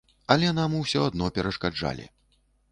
Але нам усё адно перашкаджалі.